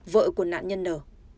vợ của nạn nhân nở